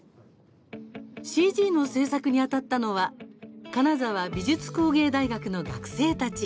ＣＧの制作にあたったのは金沢美術工芸大学の学生たち。